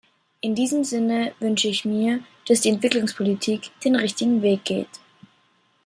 In diesem Sinne wünsche ich mir, dass die Entwicklungspolitik den richtigen Weg geht.